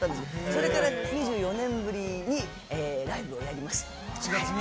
それから２４年ぶりにライブをやります。